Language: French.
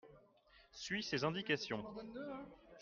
suis ses indications.